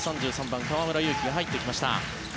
３３番、河村勇輝が入ってきました。